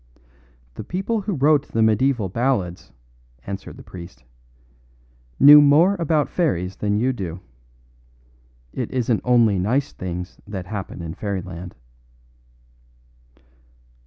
"The people who wrote the mediaeval ballads," answered the priest, "knew more about fairies than you do. It isn't only nice things that happen in fairyland."